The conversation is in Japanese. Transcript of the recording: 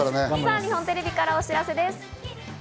日本テレビからお知らせです。